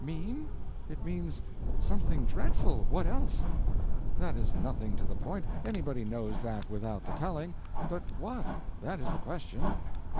"Mean? It means something dreadful—what else?" "That is nothing to the point; anybody knows that without the telling. But what?—that is the question."